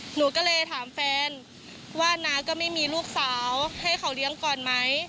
หนูก็เลยถามแฟนว่าน้าก็ไม่มีลูกสาวให้เขาเลี้ยงก่อนไหม